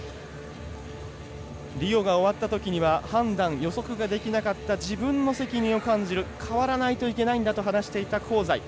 リオが終わったときには判断、予測ができなかった自分の責任を感じる変わらないといけないんだと話していた香西。